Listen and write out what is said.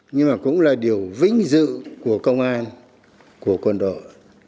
nhưng mà cũng là điều vinh dự của công an của quân đội